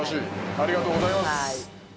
ありがとうございます。